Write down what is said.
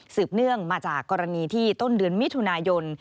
เนื่องมาจากกรณีที่ต้นเดือนมิถุนายน